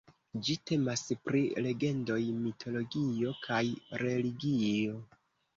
Ĝi temas pri legendoj, mitologio kaj religio.